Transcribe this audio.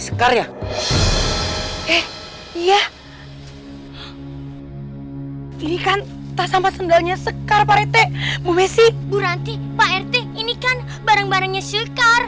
tapi saya tetap sayang terhadap sekar